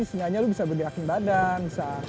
sejujurnya lo bisa berdirakim badan bisa